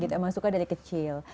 emang suka dari kecil